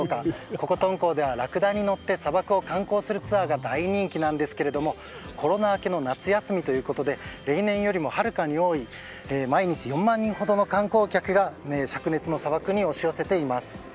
ここ、敦煌ではラクダに乗って砂漠を観光するツアーが大人気なんですがコロナ明けの夏休みということで例年よりもはるかに多い毎日４万人ほどの観光客が灼熱の砂漠に押し寄せています。